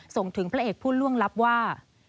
ส่งถึงพระเอกผู้ล่วงลับว่า